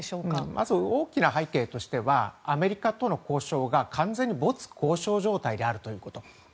まず、大きな背景としてはアメリカとの交渉が完全に没交渉状態であるということ。